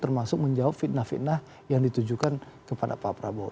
termasuk menjawab fitnah fitnah yang ditujukan kepada pak prabowo